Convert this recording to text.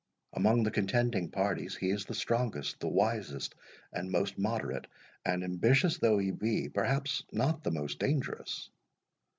"Among the contending parties, he is the strongest—the wisest and most moderate— and ambitious though he be, perhaps not the most dangerous.